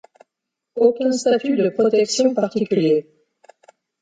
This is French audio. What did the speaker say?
Aucun statut de protection particulier.